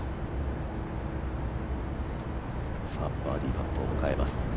バーディーパットを迎えます